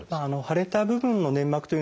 腫れた部分の粘膜というのはですね